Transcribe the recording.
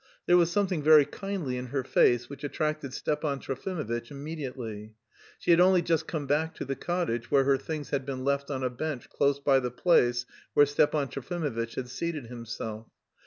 There was something very kindly in her face which attracted Stepan Trofimovitch immediately. She had only just come back to the cottage, where her things had been left on a bench close by the place where Stepan Trofimovitch had seated himself.